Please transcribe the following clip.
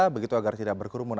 begitu agar tidak berkerumun